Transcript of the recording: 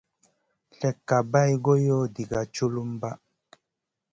Slèkka bày goyo diga culumba.